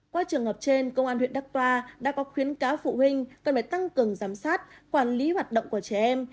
qua trường hợp trên công an huyện đắc đoa đã có khuyến cáo phụ huynh cần phải tăng cường giám sát quản lý hoạt động của trẻ em